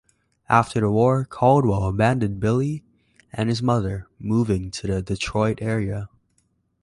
After the war, Caldwell abandoned Billy and his mother, moving to the Detroit area.